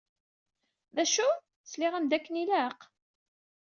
D acu? Sliɣ-am-d akken ilaq?